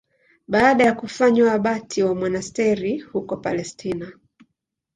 Baada ya kufanywa abati wa monasteri huko Palestina.